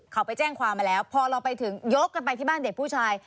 เขาไปแจ้งความมาแล้วพอเราไปถึงยกกันไปที่บ้านเด็กผู้ชาย